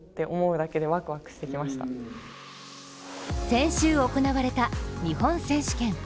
先週行われた日本選手権。